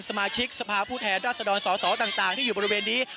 สมาชิกสภาพผู้แทนราษฎรสอสอต่างที่อยู่บริเวณนี้